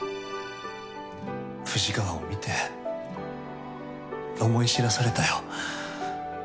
藤川を見て思い知らされたよ。